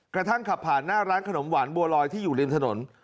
กระทั่งขับผ่านหน้าร้านขนมหวานบัวลอยที่อยู่ริมถนน